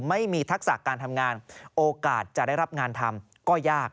ทักษะการทำงานโอกาสจะได้รับงานทำก็ยาก